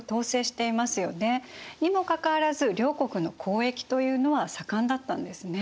にもかかわらず両国の交易というのは盛んだったんですね。